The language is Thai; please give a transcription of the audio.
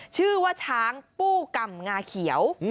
ชื่อว่าช้างปูกำงาเขียว